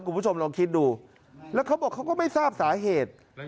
คุณผู้ชมลองคิดดูแล้วเขาบอกเขาก็ไม่ทราบสาเหตุ